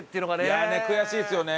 いやあねえ悔しいですよね。